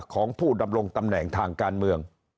ของผู้ดำรงตำแหน่งทางการเมือง